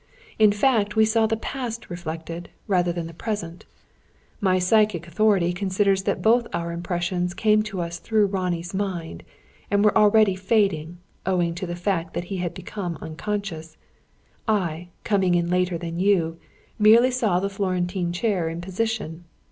In fact we saw the past reflected, rather than the present. My psychic authority considers that both our impressions came to us through Ronnie's mind, and were already fading, owing to the fact that he had become unconscious. I, coming in later than you, merely saw the Florentine chair in position.